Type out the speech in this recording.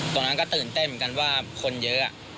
ตรงนั้นก็ตื่นเต้นเหมือนกันว่าคนเยอะ